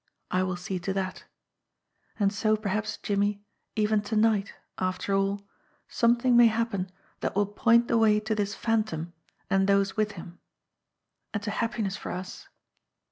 I will see to that And so, perhaps, Jimmie, even to night, after all, something may happen that will point the way to this Phantom and those with him and to happiness for us.